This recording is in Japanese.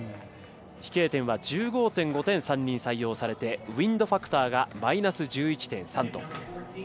飛型点は１５．５点３人採用されてウインドファクターがマイナス１１．３と。